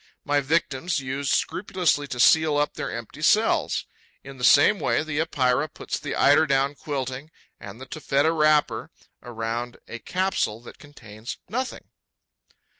My victims used scrupulously to seal up their empty cells. In the same way, the Epeira puts the eiderdown quilting and the taffeta wrapper round a capsule that contains nothing.